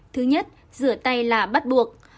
thứ nhất rửa tay là bắt buộc